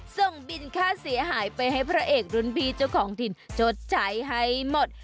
ส่งบินค่าเสียหายไปให้พระเอกรุ่นพี่เจ้าของถิ่นชดใช้ให้หมด